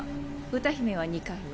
歌姫は２階を。